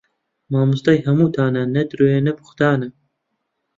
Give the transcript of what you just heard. مامۆستای هەمووتانە نە درۆیە نە بووختانە